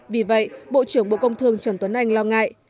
vì vậy bộ trưởng bộ công thương trần tuấn anh lo ngại